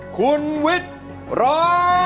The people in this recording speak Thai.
คุณวิทย์ร้อง